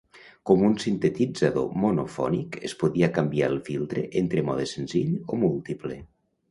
Com un sintetitzador monofònic, es podia canviar el filtre entre mode senzill o múltiple.